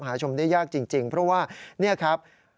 ชมได้ยากจริงเพราะว่านี่ครับ